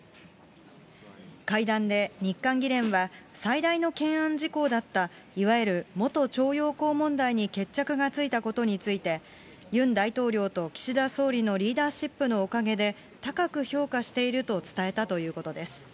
会談で日韓議連は、最大の懸案事項だった、いわゆる元徴用工問題に決着がついたことについて、ユン大統領と岸田総理のリーダーシップのおかげで、高く評価していると伝えたということです。